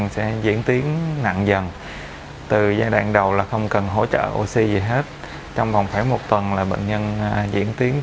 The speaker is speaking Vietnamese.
xin chào và hẹn gặp lại